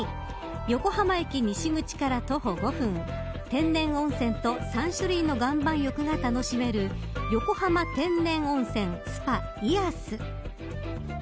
横浜駅西口から徒歩５分天然温泉と３種類の岩盤浴が楽しめる横浜天然温泉ＳＰＡＥＡＳ。